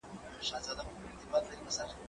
زه شګه پاک کړی دی،